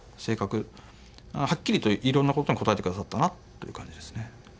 はっきりといろんなことに答えて下さったなという感じですね。